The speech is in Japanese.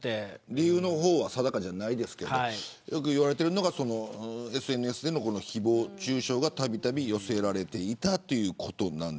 理由は定かじゃないですけどよく言われているのがＳＮＳでの誹謗中傷がたびたび寄せられていたということ。